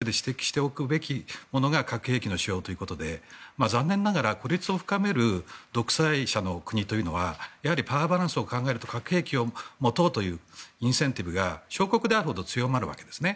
そしてもう１つ、独裁者のリスクで指摘しておくべきものが核兵器の使用ということで残念ながら孤立を深める独裁者の国はやはりパワーバランスを考えると核兵器を持とうというインセンティブが小国であるほど強まるわけですね。